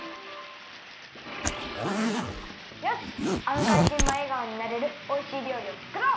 あのかいじんがえがおになれるおいしいりょうりをつくろう！